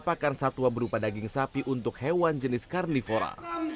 pakan satwa berupa daging sapi untuk hewan jenis karnivora